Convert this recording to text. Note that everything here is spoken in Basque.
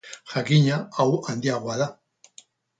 Jakina, hau handiagoa da.